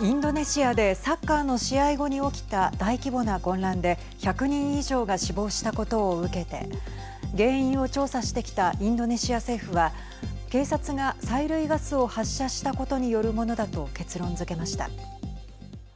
インドネシアでサッカーの試合後に起きた大規模な混乱で１００人以上が死亡したことを受けて原因を調査してきたインドネシア政府は警察が催涙ガスを発射したことによるものだと結論づけました。